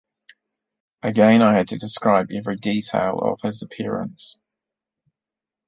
Again I had to describe every detail of his appearance.